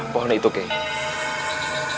bandara su jawab